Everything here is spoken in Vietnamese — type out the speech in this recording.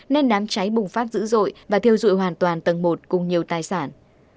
nên đám cháy bùng phát dữ dội và thiêu dụi hoàn toàn tầng một cùng nhiều tài sản